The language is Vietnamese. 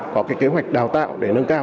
có cái kế hoạch đào tạo để nâng cao